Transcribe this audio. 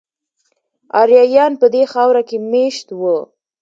آریایان په دې خاوره کې میشت وو